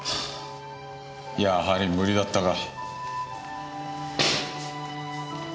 やはり無理だったか。